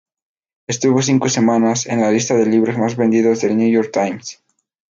Estuvo cinco semanas en la lista de libros más vendidos del New York Times.